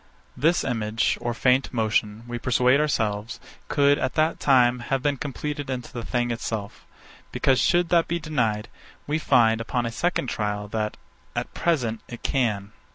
This image, or faint motion, we persuade ourselves, could, at that time, have been compleated into the thing itself; because, should that be denied, we find, upon a second trial, that, at present, it can.